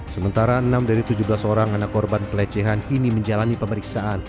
sementara enam dari tujuh belas orang anak korban pelecehan kini menjalani pemeriksaan